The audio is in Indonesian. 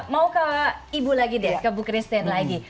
mau ke ibu lagi deh ke bu christine lagi